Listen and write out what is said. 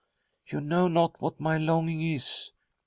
You know not what my longing is.